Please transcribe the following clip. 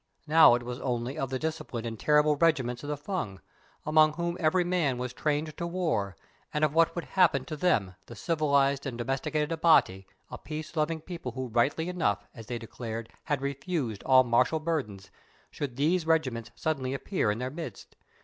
Now it was only of the disciplined and terrible regiments of the Fung, among whom every man was trained to war, and of what would happen to them, the civilized and domesticated Abati, a peace loving people who rightly enough, as they declared, had refused all martial burdens, should these regiments suddenly appear in their midst.